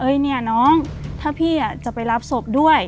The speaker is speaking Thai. เนี่ยน้องถ้าพี่จะไปรับศพด้วย